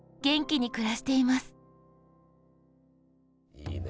いいね。